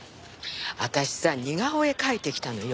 私さ似顔絵描いてきたのよ。